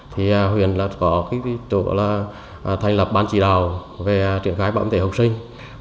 thì huyện có kích thích tổ là thành lập bàn chỉ đào về triển khai bảo hiểm y tế học sinh